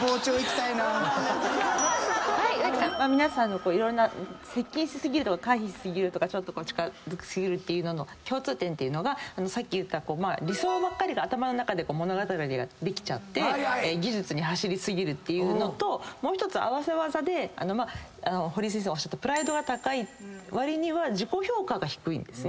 皆さんのいろんな接近し過ぎるとか回避し過ぎるとかちょっと近づき過ぎるっていうのの共通点っていうのがさっき言った理想ばかりが頭の中で物語ができちゃって技術に走り過ぎるっていうのともう１つ合わせ技で堀井先生がおっしゃったプライドが高いわりには自己評価が低いんですね。